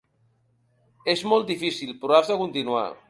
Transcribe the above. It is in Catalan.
És molt difícil, però has de continuar.